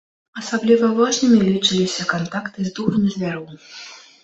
Асабліва важным лічыліся кантакты з духамі звяроў.